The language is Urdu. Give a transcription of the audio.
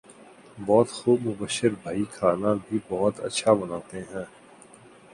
بہت خوب مبشر بھائی کھانا بھی بہت اچھا بناتے ہیں